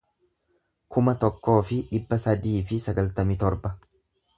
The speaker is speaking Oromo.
kuma tokkoo fi dhibba sadii fi sagaltamii torba